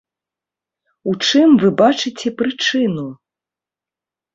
У чым вы бачыце прычыну?